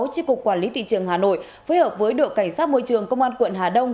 tri cục quản lý thị trường hà nội phối hợp với đội cảnh sát môi trường công an quận hà đông